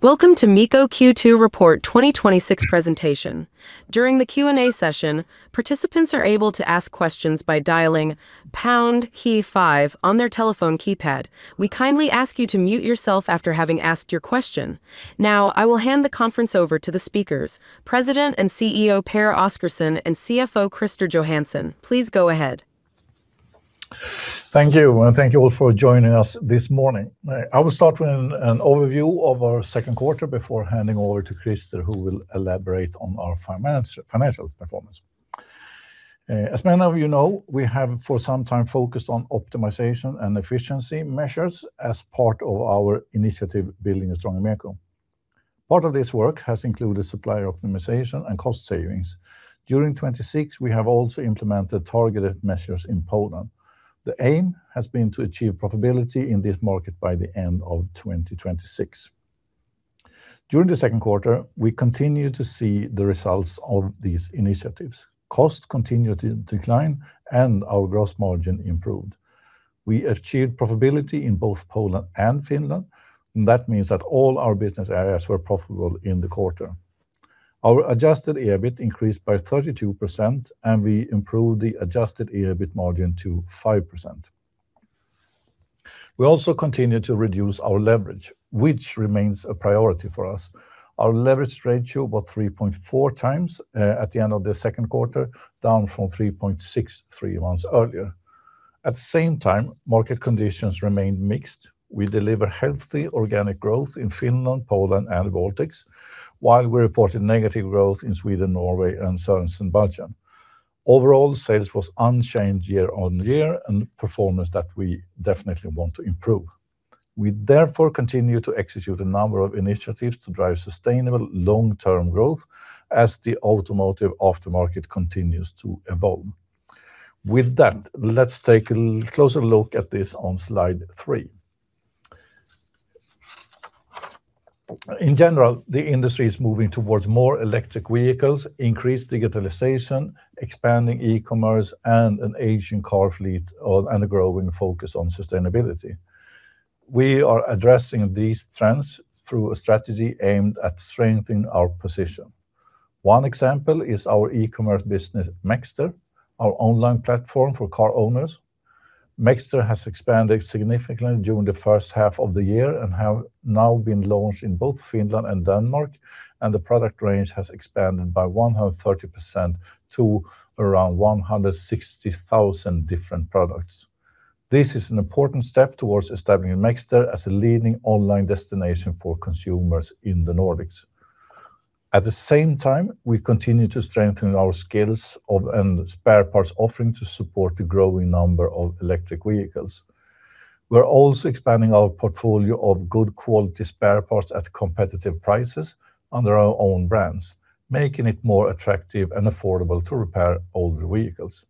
Welcome to MEKO Q2 Report 2026 Presentation. During the Q&A session, participants are able to ask questions by dialing pound key five on their telephone keypad. We kindly ask you to mute yourself after having asked your question. Now, I will hand the conference over to the speakers, President and CEO Pehr Oscarson and CFO Christer Johansson. Please go ahead. Thank you, and thank you all for joining us this morning. I will start with an overview of our second quarter before handing over to Christer, who will elaborate on our financial performance. As many of you know, we have for some time focused on optimization and efficiency measures as part of our initiative, Building a Stronger MEKO. Part of this work has included supplier optimization and cost savings. During 2026, we have also implemented targeted measures in Poland. The aim has been to achieve profitability in this market by the end of 2026. During the second quarter, we continued to see the results of these initiatives. Costs continued to decline, and our gross margin improved. We achieved profitability in both Poland and Finland, and that means that all our business areas were profitable in the quarter. Our adjusted EBIT increased by 32%, and we improved the adjusted EBIT margin to 5%. We also continued to reduce our leverage, which remains a priority for us. Our leverage ratio was 3.4x at the end of the second quarter, down from 3.6x three months earlier. At the same time, market conditions remained mixed. We delivered healthy organic growth in Finland, Poland, and the Baltics, while we reported negative growth in Sweden, Norway and certain budget. Overall sales was unchanged year-on-year, and performance that we definitely want to improve. We, therefore, continue to execute a number of initiatives to drive sustainable long-term growth as the automotive aftermarket continues to evolve. With that, let's take a closer look at this on slide three. In general, the industry is moving towards more electric vehicles, increased digitalization, expanding e-commerce, and an aging car fleet, and a growing focus on sustainability. We are addressing these trends through a strategy aimed at strengthening our position. One example is our e-commerce business, Mekster, our online platform for car owners. Mekster has expanded significantly during the first half of the year and have now been launched in both Finland and Denmark, and the product range has expanded by 130% to around 160,000 different products. This is an important step towards establishing Mekster as a leading online destination for consumers in the Nordics. At the same time, we continue to strengthen our skills and spare parts offering to support the growing number of electric vehicles. We're also expanding our portfolio of good quality spare parts at competitive prices under our own brands, making it more attractive and affordable to repair older vehicles.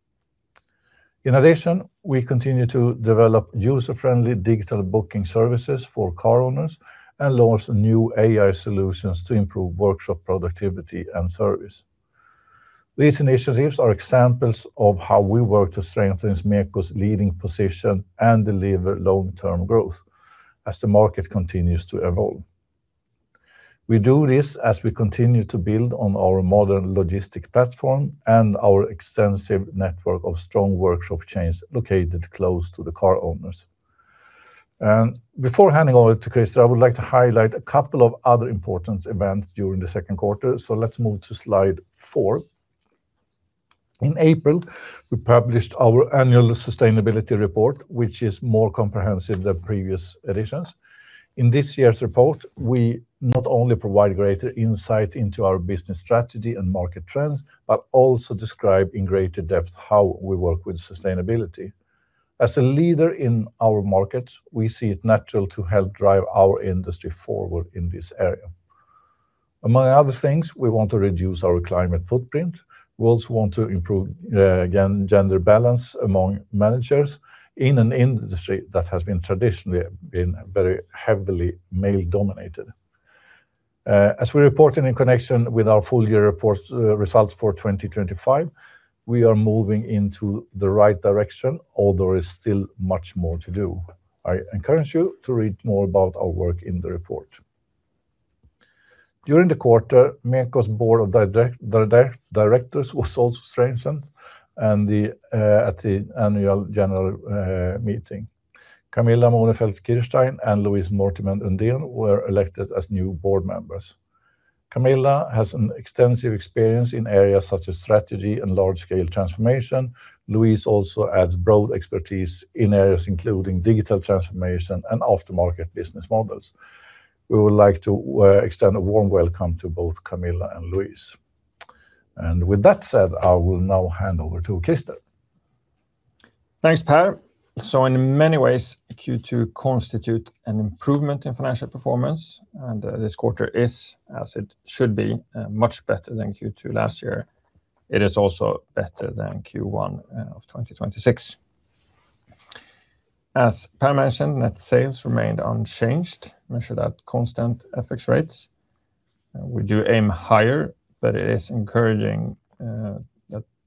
In addition, we continue to develop user-friendly digital booking services for car owners and launch new AI solutions to improve workshop productivity and service. These initiatives are examples of how we work to strengthen MEKO's leading position and deliver long-term growth as the market continues to evolve. We do this as we continue to build on our modern logistic platform and our extensive network of strong workshop chains located close to the car owners. Before handing over to Christer, I would like to highlight a couple of other important events during the second quarter. Let's move to slide four. In April, we published our annual sustainability report, which is more comprehensive than previous editions. In this year's report, we not only provide greater insight into our business strategy and market trends, but also describe in greater depth how we work with sustainability. As a leader in our market, we see it natural to help drive our industry forward in this area. Among other things, we want to reduce our climate footprint. We also want to improve, again, gender balance among managers in an industry that has traditionally been very heavily male-dominated. As we reported in connection with our full-year results for 2025, we are moving into the right direction, although there is still much more to do. I encourage you to read more about our work in the report. During the quarter, MEKO's Board of Directors was also strengthened at the Annual General Meeting. Camilla Monefeldt Kirstein and Louise Mortimer Undén were elected as new Board members. Camilla has an extensive experience in areas such as strategy and large-scale transformation. Louise also adds broad expertise in areas including digital transformation and aftermarket business models. We would like to extend a warm welcome to both Camilla and Louise. With that said, I will now hand over to Christer. Thanks, Pehr. In many ways, Q2 constitutes an improvement in financial performance, this quarter is, as it should be, much better than Q2 last year. It is also better than Q1 of 2026. As Pehr mentioned, net sales remained unchanged, measured at constant FX rates. We do aim higher, but it is encouraging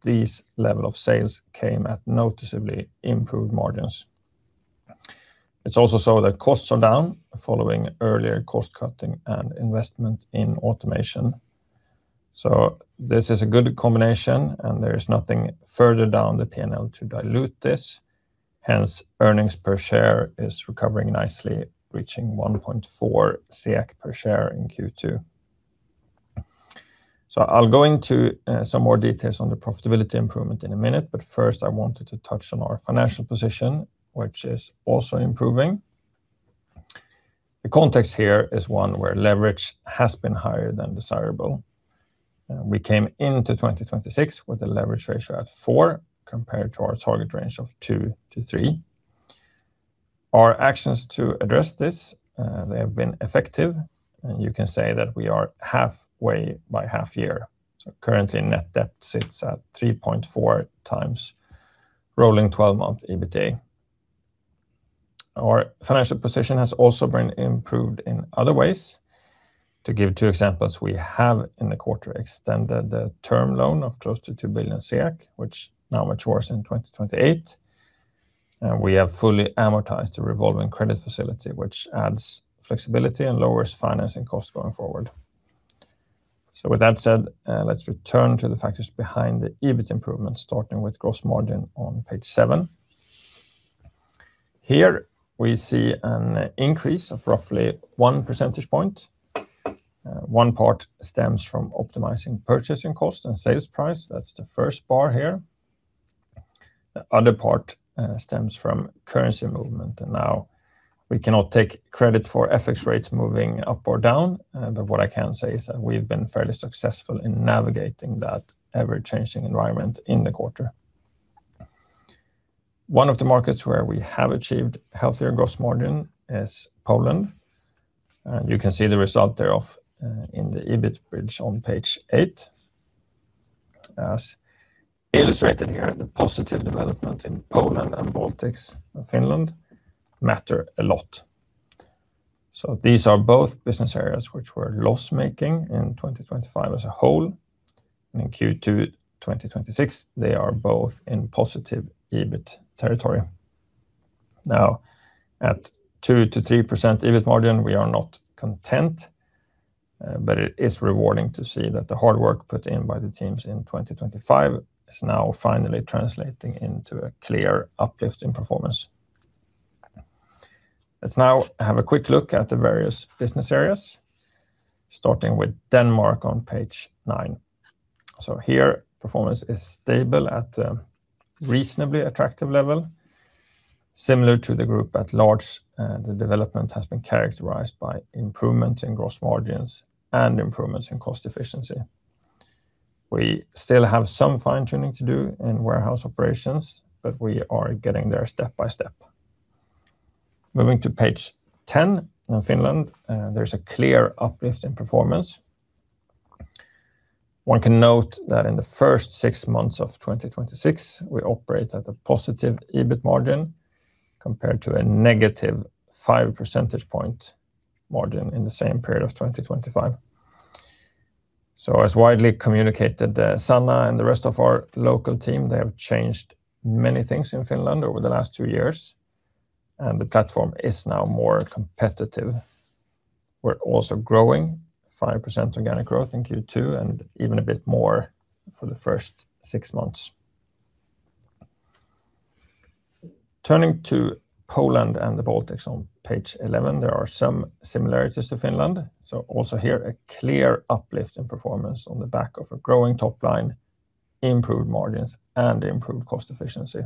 that these level of sales came at noticeably improved margins. It's also so that costs are down following earlier cost-cutting and investment in automation. This is a good combination, there is nothing further down the P&L to dilute this. Hence, earnings per share is recovering nicely, reaching 1.4 per share in Q2. I'll go into some more details on the profitability improvement in a minute, but first I wanted to touch on our financial position, which is also improving. The context here is one where leverage has been higher than desirable. We came into 2026 with a leverage ratio at 4x compared to our target range of 2x to 3x. Our actions to address this, they have been effective, and you can say that we are halfway by half year. Currently net debt sits at 3.4x rolling 12-month EBITA. Our financial position has also been improved in other ways. To give two examples, we have in the quarter extended the term loan of close to 2 billion, which now matures in 2028. And we have fully amortized the revolving credit facility, which adds flexibility and lowers financing costs going forward. With that said, let's return to the factors behind the EBIT improvement, starting with gross margin on page seven. Here we see an increase of roughly 1 percentage point. One part stems from optimizing purchasing cost and sales price. That's the first bar here. The other part stems from currency movement. Now we cannot take credit for FX rates moving up or down, but what I can say is that we've been fairly successful in navigating that ever-changing environment in the quarter. One of the markets where we have achieved healthier gross margin is Poland, and you can see the result thereof in the EBIT bridge on page eight. As illustrated here, the positive development in Poland and Baltics and Finland matter a lot. These are both business areas which were loss-making in 2025 as a whole, and in Q2 2026 they are both in positive EBIT territory. Now, at 2%-3% EBIT margin we are not content, but it is rewarding to see that the hard work put in by the teams in 2025 is now finally translating into a clear uplift in performance. Let's now have a quick look at the various business areas, starting with Denmark on page nine. Here performance is stable at a reasonably attractive level. Similar to the group at large, the development has been characterized by improvement in gross margins and improvements in cost efficiency. We still have some fine-tuning to do in warehouse operations, but we are getting there step by step. Moving to page 10 on Finland, there's a clear uplift in performance. One can note that in the first six months of 2026 we operate at a positive EBIT margin compared to a -5 percentage point margin in the same period of 2025. As widely communicated, Sanna and the rest of our local team, they have changed many things in Finland over the last two years, and the platform is now more competitive. We're also growing 5% organic growth in Q2 and even a bit more for the first six months. Turning to Poland and the Baltics on page 11, there are some similarities to Finland. Also here a clear uplift in performance on the back of a growing top line, improved margins and improved cost efficiency.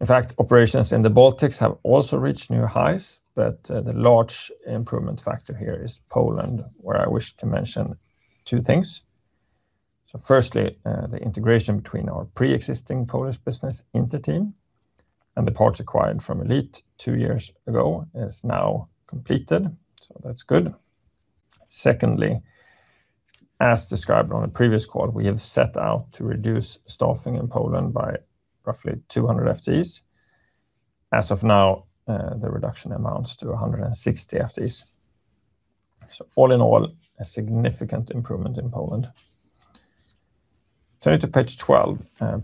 In fact, operations in the Baltics have also reached new highs, but the large improvement factor here is Poland, where I wish to mention two things. Firstly, the integration between our preexisting Polish business Inter-Team and the parts acquired from Elit Polska two years ago is now completed, that's good. Secondly, as described on a previous call, we have set out to reduce staffing in Poland by roughly 200 FTEs. As of now, the reduction amounts to 160 FTEs. All in all, a significant improvement in Poland. Turning to page 12,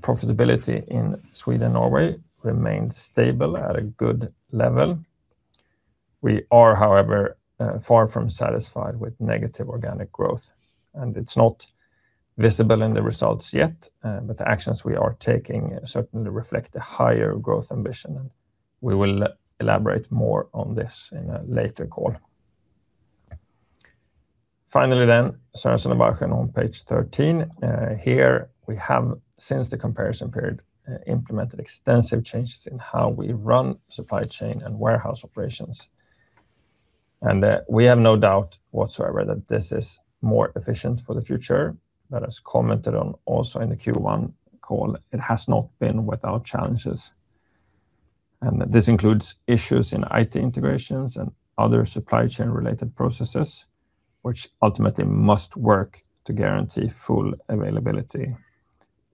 profitability in Sweden, Norway remains stable at a good level. We are, however, far from satisfied with negative organic growth, and it is not visible in the results yet, but the actions we are taking certainly reflect a higher growth ambition, and we will elaborate more on this in a later call. Finally then, Sørensen og Balchen on page 13. Here we have, since the comparison period, implemented extensive changes in how we run supply chain and warehouse operations, and we have no doubt whatsoever that this is more efficient for the future. But as commented on also in the Q1 call, it has not been without challenges, and this includes issues in IT integrations and other supply chain-related processes, which ultimately must work to guarantee full availability.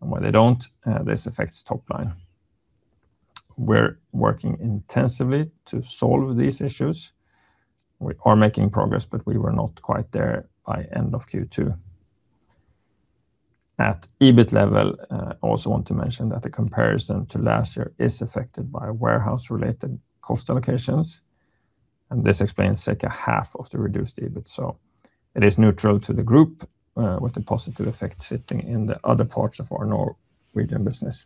And where they do not, this affects top line. We are working intensively to solve these issues. We are making progress, but we were not quite there by end of Q2. At EBIT level, I also want to mention that the comparison to last year is affected by warehouse-related cost allocations, and this explains half of the reduced EBIT, so it is neutral to the group, with a positive effect sitting in the other parts of our region business.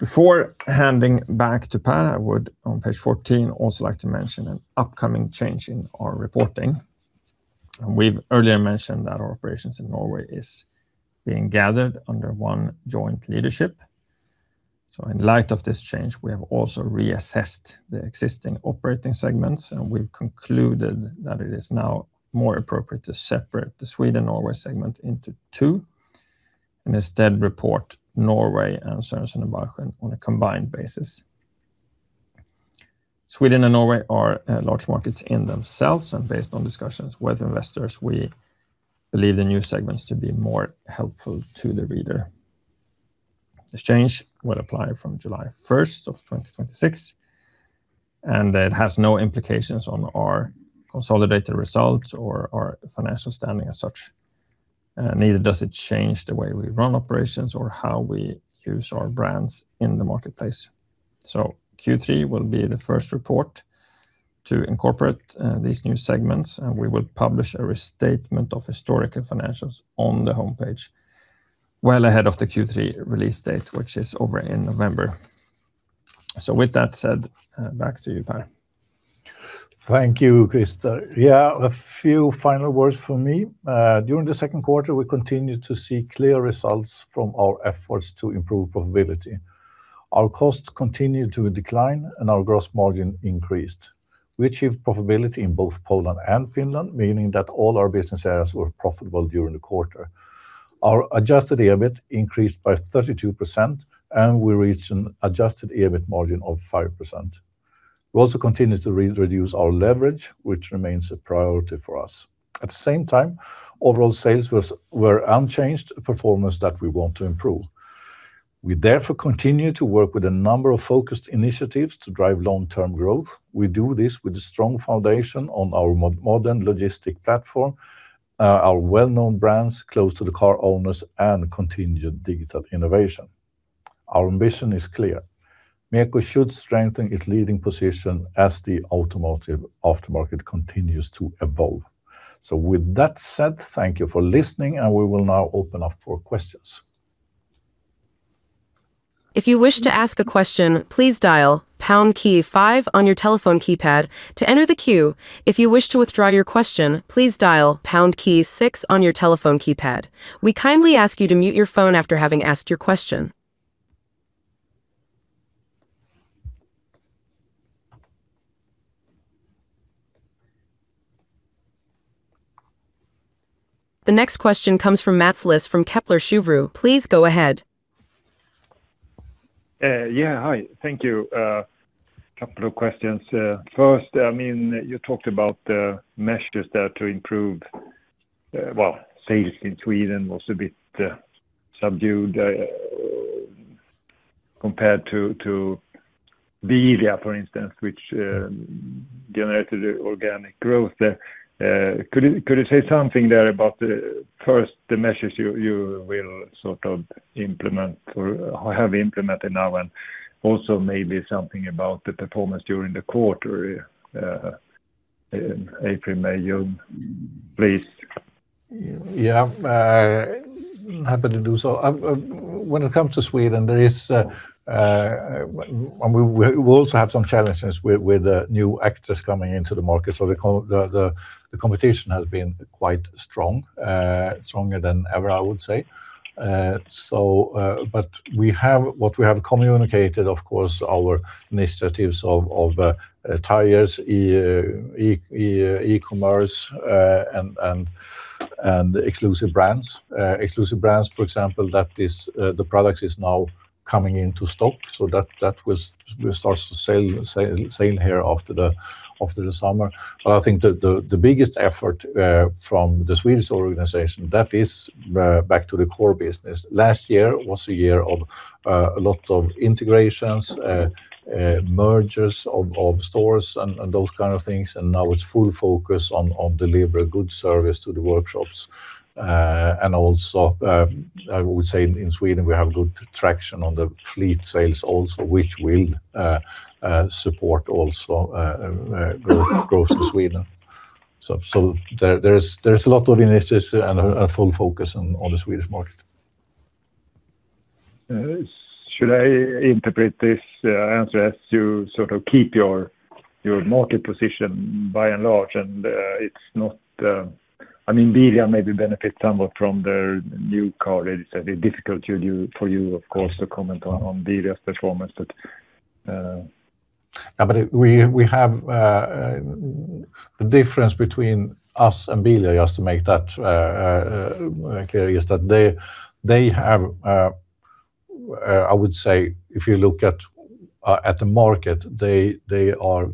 Before handing back to Pehr, I would, on page 14, also like to mention an upcoming change in our reporting. We have earlier mentioned that our operations in Norway is being gathered under one joint leadership. In light of this change, we have also reassessed the existing operating segments, and we have concluded that it is now more appropriate to separate the Sweden-Norway segment into two, and instead report Norway and Sørensen og Balchen on a combined basis. Sweden and Norway are large markets in themselves, and based on discussions with investors, we believe the new segments to be more helpful to the reader. This change would apply from July 1st of 2026, and it has no implications on our consolidated results or our financial standing as such. Neither does it change the way we run operations or how we use our brands in the marketplace. Q3 will be the first report to incorporate these new segments, and we will publish a restatement of historical financials on the homepage well ahead of the Q3 release date, which is over in November. With that said, back to you, Pehr. Thank you, Christer. Yeah, a few final words from me. During the second quarter, we continued to see clear results from our efforts to improve profitability. Our costs continued to decline, and our gross margin increased. We achieved profitability in both Poland and Finland, meaning that all our business areas were profitable during the quarter. Our adjusted EBIT increased by 32%, and we reached an adjusted EBIT margin of 5%. We also continued to reduce our leverage, which remains a priority for us. At the same time, overall sales were unchanged, a performance that we want to improve. We therefore continue to work with a number of focused initiatives to drive long-term growth. We do this with a strong foundation on our modern logistic platform, our well-known brands, close to the car owners, and continued digital innovation. Our ambition is clear. MEKO should strengthen its leading position as the automotive aftermarket continues to evolve. With that said, thank you for listening, and we will now open up for questions. If you wish to ask a question, please dial pound key five on your telephone keypad to enter the queue. If you wish to withdraw your question, please dial pound key six on your telephone keypad. We kindly ask you to mute your phone after having asked your question. The next question comes from Mats Liss from Kepler Cheuvreux. Please go ahead. Hi. Thank you. A couple of questions. First, you talked about the measures there to improve. Sales in Sweden was a bit subdued compared to Bilia, for instance, which generated organic growth. Could you say something there about, first, the measures you will implement or have implemented now, and also maybe something about the performance during the quarter, April, May, June, please? Happy to do so. When it comes to Sweden, we also have some challenges with new actors coming into the market, so the competition has been quite strong. Stronger than ever, I would say. We have communicated, of course, our initiatives of tires, e-commerce, and the exclusive brands. Exclusive brands, for example, the product is now coming into stock, so that will start to sail here after the summer. I think the biggest effort from the Swedish organization, that is back to the core business. Last year was a year of a lot of integrations, mergers of stores, and those kind of things, and now it's full focus on deliver a good service to the workshops. Also, I would say in Sweden, we have good traction on the fleet sales also, which will support also growth in Sweden. There's a lot of initiatives and a full focus on the Swedish market. Should I interpret this answer as you keep your market position by and large? Bilia maybe benefit somewhat from their new car. It's a bit difficult for you, of course, to comment on Bilia's performance. The difference between us and Bilia, just to make that clear, is that they have, I would say if you look at the market, they are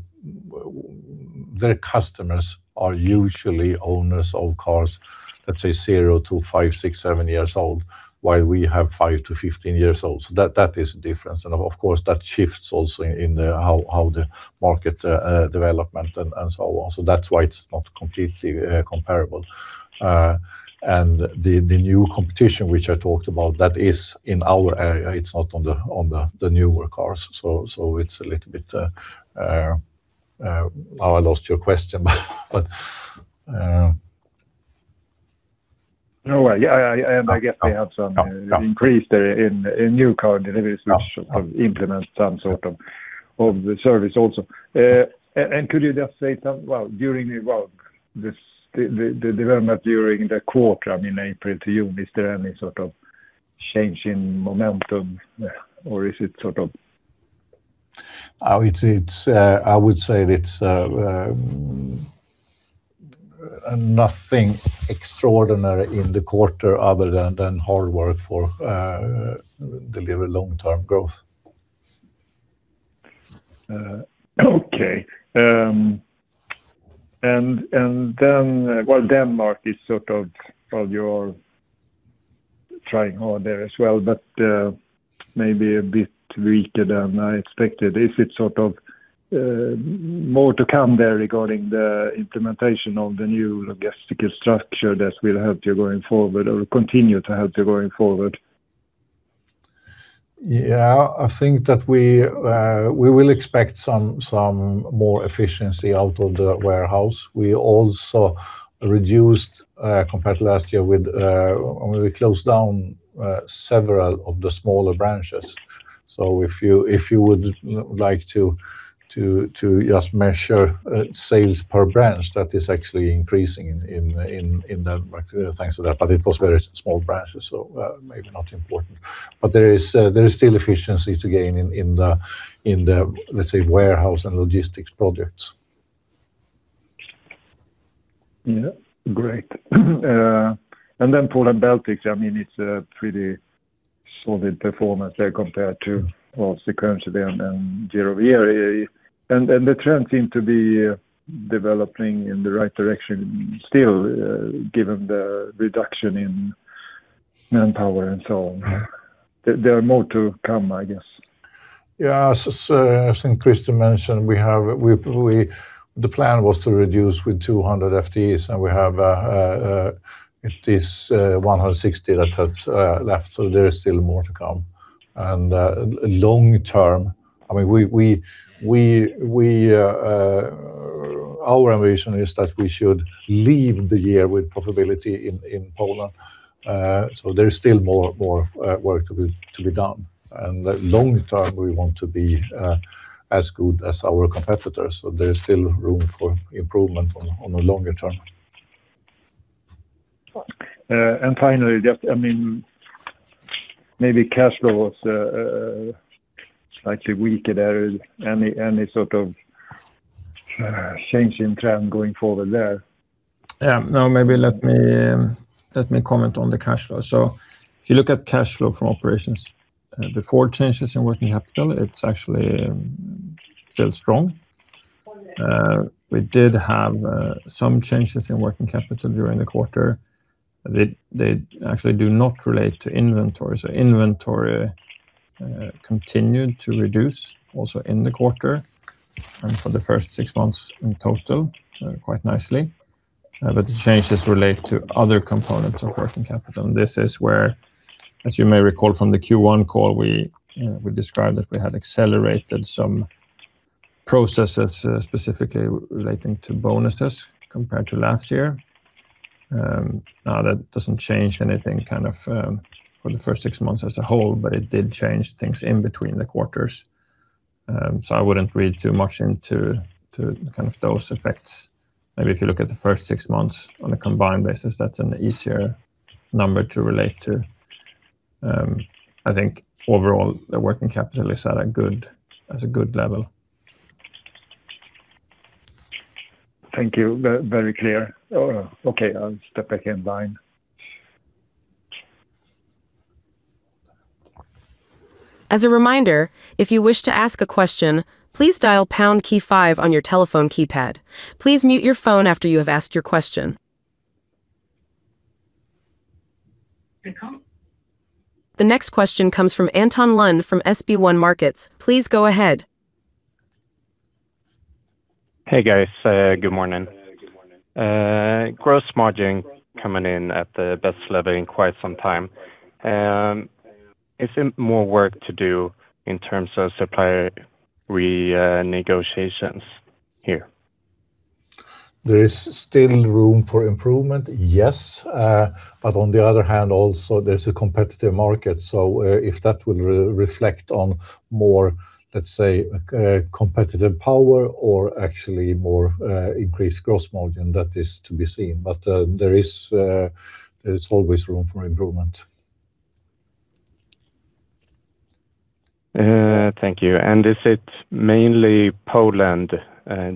Their customers are usually owners of cars, let's say zero to five, six, seven years old, while we have 5-15 years old. That is the difference. Of course, that shifts also in how the market development and so on. That's why it's not completely comparable. The new competition, which I talked about, that is in our area, it's not on the newer cars. Now I lost your question. No worry. I guess they have some increase there in new car deliveries which have implemented some sort of the service also. Could you just say, during the development during the quarter, I mean, April to June, is there any sort of change in momentum or is it? I would say it's nothing extraordinary in the quarter other than hard work for deliver long-term growth. Okay. Well, Denmark is sort of you're trying hard there as well, but maybe a bit weaker than I expected. Is it more to come there regarding the implementation of the new logistical structure that will help you going forward or continue to help you going forward? Yeah, I think that we will expect some more efficiency out of the warehouse. We also reduced, compared to last year, we closed down several of the smaller branches. If you would like to just measure sales per branch, that is actually increasing in Denmark thanks to that. It was very small branches, so maybe not important. There is still efficiency to gain in the, let's say, warehouse and logistics projects. Yeah, great. Poland, Baltics, it's a pretty solid performance there compared to, well, the current year and year-over-year. The trend seem to be developing in the right direction still, given the reduction in manpower and so on. There are more to come, I guess. Yeah. As I think Christer mentioned, the plan was to reduce with 200 FTEs. We have this 160 that has left, so there is still more to come. Long term, our ambition is that we should leave the year with profitability in Poland. There is still more work to be done. Long term, we want to be as good as our competitors. There is still room for improvement on a longer term. Finally, maybe cash flow was slightly weaker there. Any sort of change in trend going forward there? Yeah. No, maybe let me comment on the cash flow. If you look at cash flow from operations before changes in working capital, it's actually still strong. We did have some changes in working capital during the quarter. They actually do not relate to inventory. Inventory continued to reduce also in the quarter and for the first six months in total, quite nicely. The changes relate to other components of working capital. This is where, as you may recall from the Q1 call, we described that we had accelerated some processes, specifically relating to bonuses compared to last year. That doesn't change anything for the first six months as a whole, but it did change things in between the quarters. I wouldn't read too much into those effects. Maybe if you look at the first six months on a combined basis, that's an easier number to relate to. I think overall, the working capital is at a good level. Thank you. Very clear. Okay, I'll step back in line. As a reminder, if you wish to ask a question, please dial pound key five on your telephone keypad. Please mute your phone after you have asked your question. The next question comes from Anton Lund from SB1 Markets. Please go ahead. Hey, guys. Good morning. Gross margin coming in at the best level in quite some time. Is there more work to do in terms of supplier renegotiations here? There is still room for improvement, yes. On the other hand, also, there's a competitive market. If that will reflect on more, let's say, competitive power or actually more increased gross margin, that is to be seen. There is always room for improvement. Thank you. Is it mainly Poland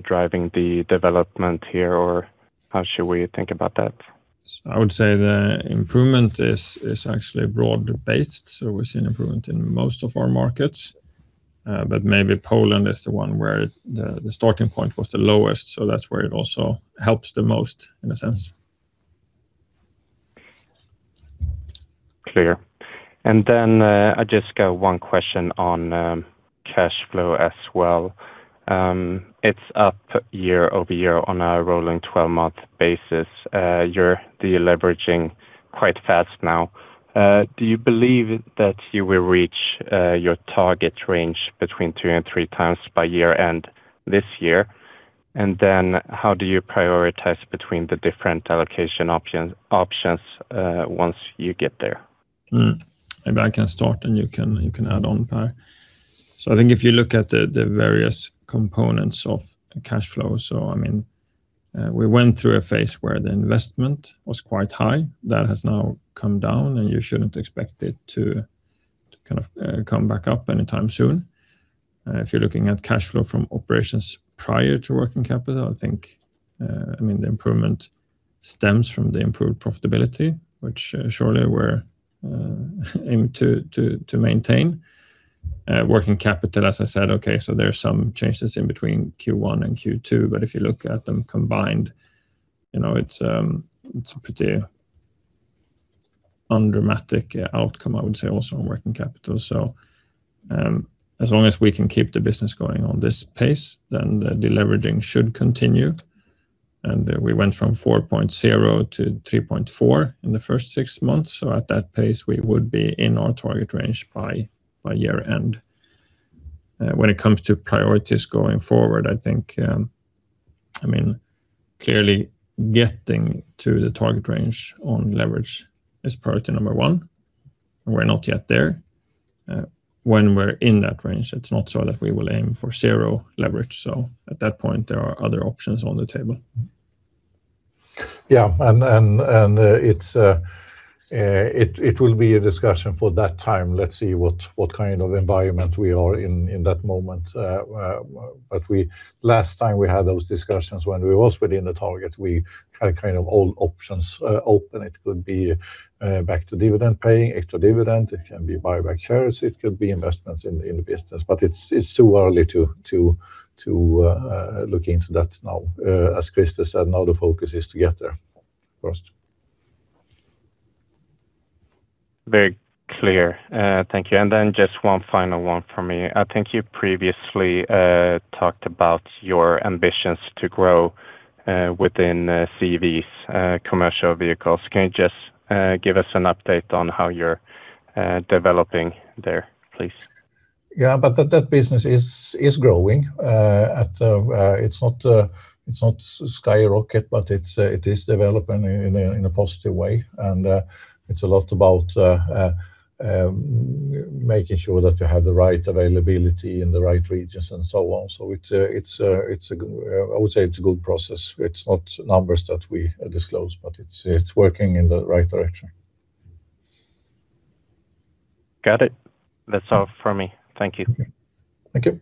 driving the development here, or how should we think about that? I would say the improvement is actually broad-based. We're seeing improvement in most of our markets, but maybe Poland is the one where the starting point was the lowest, so that's where it also helps the most, in a sense. Clear. I just got one question on cash flow as well. It's up year-over-year on a rolling 12-month basis. You're deleveraging quite fast now. Do you believe that you will reach your target range between 2x and 3x by year end this year? How do you prioritize between the different allocation options once you get there? Maybe I can start, and you can add on, Pehr. I think if you look at the various components of cash flow, we went through a phase where the investment was quite high. That has now come down, and you shouldn't expect it to come back up anytime soon. If you're looking at cash flow from operations prior to working capital, I think the improvement stems from the improved profitability, which surely we're aiming to maintain. Working capital, as I said, okay, so there's some changes in between Q1 and Q2, but if you look at them combined, it's a pretty undramatic outcome, I would say also on working capital. As long as we can keep the business going on this pace, then the deleveraging should continue. We went from 4.0x to 3.4x in the first six months. At that pace, we would be in our target range by year end. When it comes to priorities going forward, I think clearly getting to the target range on leverage is priority number one. We're not yet there. When we're in that range, it's not so that we will aim for zero leverage. At that point, there are other options on the table. Yeah. It will be a discussion for that time. Let's see what kind of environment we are in in that moment. Last time we had those discussions when we was within the target, we had all options open. It could be back to dividend paying, extra dividend, it can be buy back shares, it could be investments in the business. It's too early to look into that now. As Christer said, now the focus is to get there first. Very clear. Thank you. Then just one final one from me. I think you previously talked about your ambitions to grow within CVs, commercial vehicles. Can you just give us an update on how you're developing there, please? Yeah, that business is growing. It's not skyrocket, it is developing in a positive way. It's a lot about making sure that you have the right availability in the right regions and so on. I would say it's a good process. It's not numbers that we disclose, it's working in the right direction. Got it. That's all from me. Thank you. Thank you.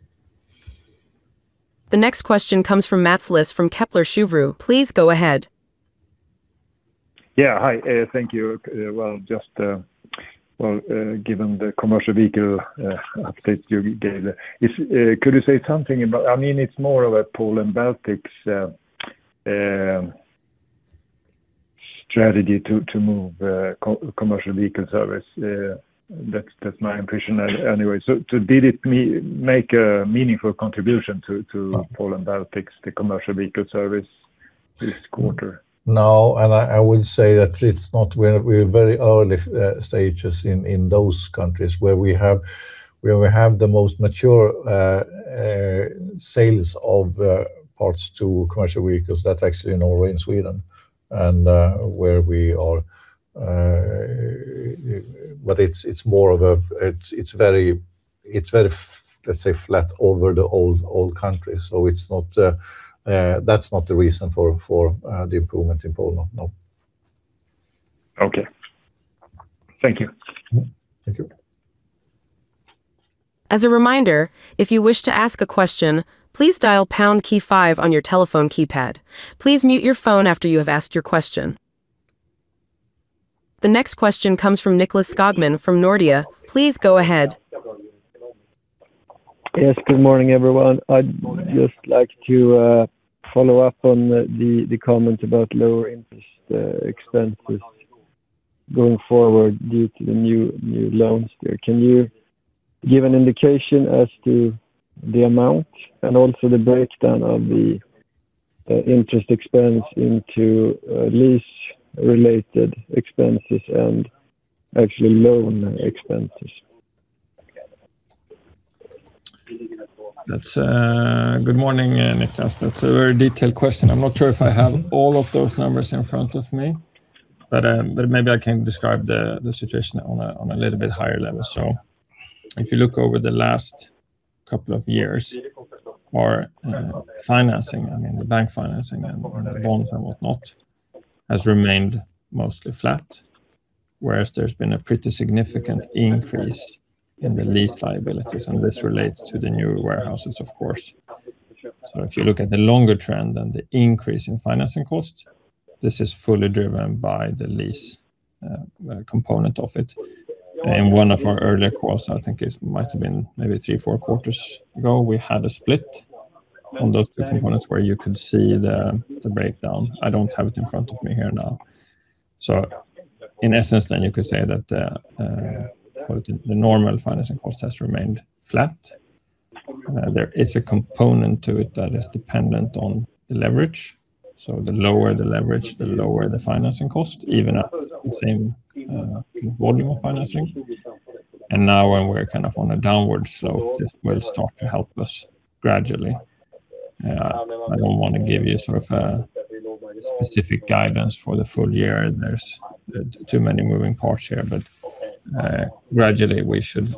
The next question comes from Mats Liss from Kepler Cheuvreux. Please go ahead. Yeah. Hi. Thank you. Given the commercial vehicle update you gave, could you say something about, it's more of a Poland Baltics strategy to move commercial vehicle service? That's my impression anyway. Did it make a meaningful contribution to Poland Baltics, the commercial vehicle service this quarter? No, I would say that we're at very early stages in those countries. Where we have the most mature sales of parts to commercial vehicles, that's actually in Norway and Sweden. It's very, let's say, flat over the whole country. That's not the reason for the improvement in Poland. No. Okay. Thank you. Thank you. As a reminder, if you wish to ask a question, please dial pound key five on your telephone keypad. Please mute your phone after you have asked your question. The next question comes from Nicklas Skogman from Nordea. Please go ahead. Yes, good morning, everyone. I'd just like to follow up on the comment about lower interest expenses going forward due to the new loans there. Can you give an indication as to the amount and also the breakdown of the interest expense into lease related expenses and actually loan expenses? Good morning, Nicklas. That's a very detailed question. I'm not sure if I have all of those numbers in front of me, but maybe I can describe the situation on a little bit higher level. If you look over the last couple of years, our financing, the bank financing and bonds and whatnot, has remained mostly flat. Whereas there's been a pretty significant increase in the lease liabilities, and this relates to the new warehouses, of course. If you look at the longer trend and the increase in financing costs, this is fully driven by the lease component of it. In one of our earlier calls, I think it might have been maybe three, four quarters ago, we had a split on those two components where you could see the breakdown. I don't have it in front of me here now. In essence then, you could say that the normal financing cost has remained flat. There is a component to it that is dependent on the leverage. The lower the leverage, the lower the financing cost, even at the same volume of financing. Now when we're on a downward slope, it will start to help us gradually. I don't want to give you a specific guidance for the full year. There's too many moving parts here. Gradually we should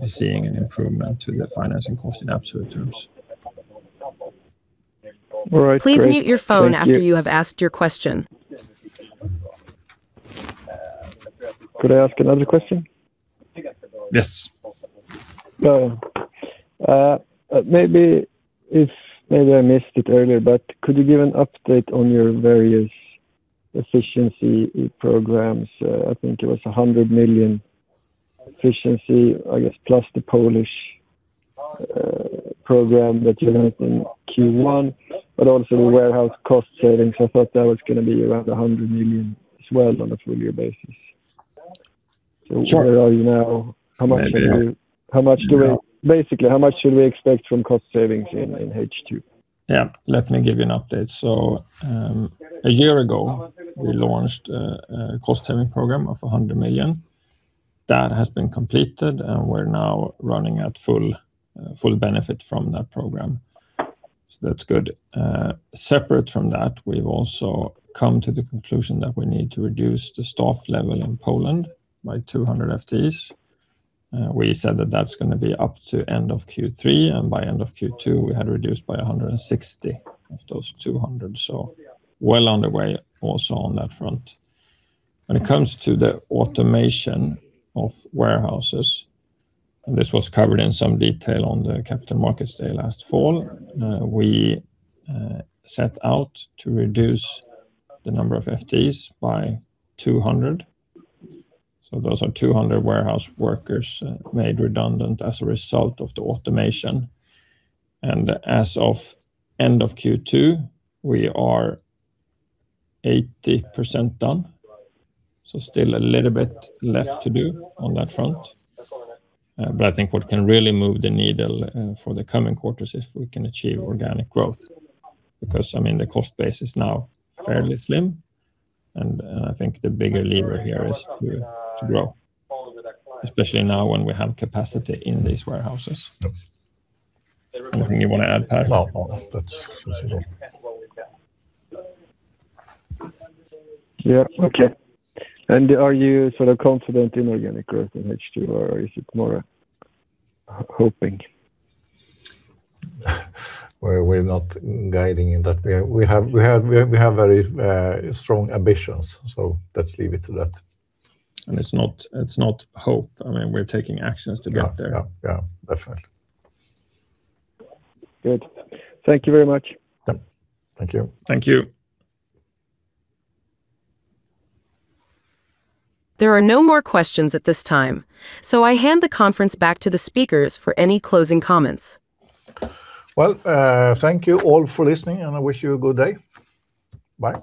be seeing an improvement to the financing cost in absolute terms. All right, great. Thank you. Please mute your phone after you have asked your question. Could I ask another question? Yes. Maybe I missed it earlier, but could you give an update on your various efficiency programs? I think it was 100 million efficiency, I guess, plus the Polish program that you had in Q1, but also the warehouse cost savings. I thought that was going to be around 100 million as well on a full year basis. Sure. Where are you now? How much should we expect from cost savings in H2? Let me give you an update. A year ago, we launched a cost-saving program of 100 million. That has been completed, and we're now running at full benefit from that program, that's good. Separate from that, we've also come to the conclusion that we need to reduce the staff level in Poland by 200 FTEs. We said that that's going to be up to end of Q3, and by end of Q2, we had reduced by 160 of those 200, well underway also on that front. When it comes to the automation of warehouses, this was covered in some detail on the Capital Markets Day last fall, we set out to reduce the number of FTEs by 200. Those are 200 warehouse workers made redundant as a result of the automation. As of end of Q2, we are 80% done. Still a little bit left to do on that front. I think what can really move the needle for the coming quarters if we can achieve organic growth, because the cost base is now fairly slim, I think the bigger lever here is to grow, especially now when we have capacity in these warehouses. Anything you want to add, Pehr? No. That's reasonable. Yeah. Okay. Are you confident in organic growth in H2, or is it more hoping? We're not guiding in that. We have very strong ambitions, so let's leave it to that. It's not hope. We're taking actions to get there. Yeah. Definitely. Good. Thank you very much. Yeah. Thank you. Thank you. There are no more questions at this time, so I hand the conference back to the speakers for any closing comments. Well, thank you all for listening, and I wish you a good day. Bye.